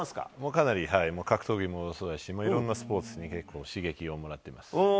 かなり格闘技もそうだし、いろんなスポーツに結構、刺激をもらってます。